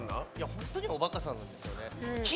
本当におバカさんなんですよね。